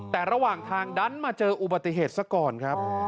แต่ระหว่างทางดันมาเจออุบัติเหตุซะก่อนครับ